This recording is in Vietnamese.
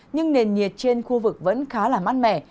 nhưng nền nhiệt trên khu vực vẫn khá là mát mẻ